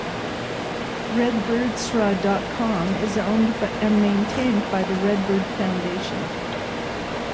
Redbirdsra dot com is owned and maintained by the Redbird Foundation.